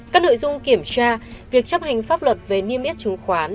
các nội dung kiểm tra việc chấp hành pháp luật về niêm yết chứng khoán